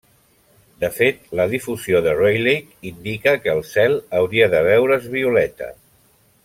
De fet, la difusió de Rayleigh indica que el cel hauria de veure's violeta.